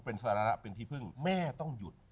เป็นสาระเป็นที่พึ่งแม่ต้องหยุด